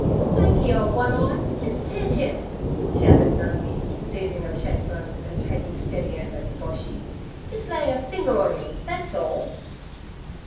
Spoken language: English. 'Blanky ole One eye, jes' tech 'im!' shouted Nungi, seizing a shank bone and taking steady aim at Boshy. 'Jes' lay a finger orn 'im, thet's all.'